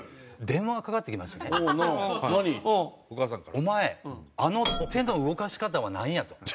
「お前あの手の動かし方はなんや」と。